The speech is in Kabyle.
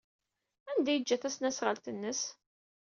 Anda ay yeǧǧa tasnasɣalt-nnes?